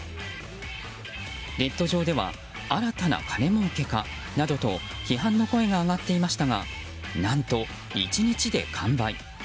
ネット上では新たな金もうけかなどと批判の声が上がっていましたが何と１日で完売。